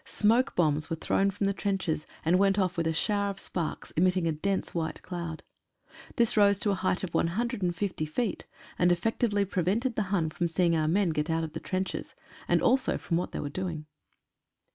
Smoke bombs were thrown from the trenches, and went off with a shower of sparks, emitting a dense white cloud. This rose to a height of 150 feet, and effectively prevented the Hun from seeing our men get out of the trenches, and also from what they were doing.